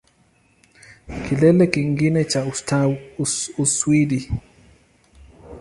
Kilele kingine cha Uswidi